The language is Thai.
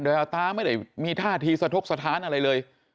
โดยเอาตาไม่ได้มีท่าทีสะทกสถานอะไรเลย